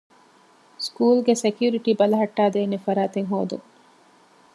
ސްކޫލްގެ ސެކިއުރިޓީ ބަލަހައްޓައިދޭނެ ފަރާތެއް ހޯދުން